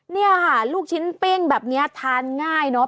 เนี่ยค่ะลูกชิ้นปิ้งแบบนี้ทานง่ายเนอะ